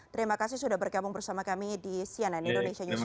terima kasih sudah bergabung bersama kami di cnn indonesia newsroom